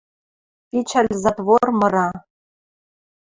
Пичӓл затвор мыра.